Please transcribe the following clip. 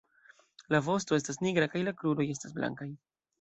La vosto estas nigra kaj la kruroj estas blankaj.